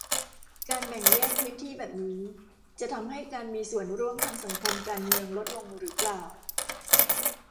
การแบ่งแยกพื้นที่แบบนี้ จะทำให้การมีส่วนร่วมทางสังคมการเมืองลดลงหรือเปล่า